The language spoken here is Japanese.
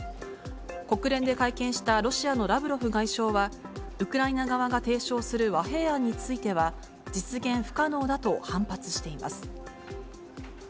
国連で会見したロシアのラブロフ外相は、ウクライナ側が提唱する和平案については、実現不可能だと反発しています。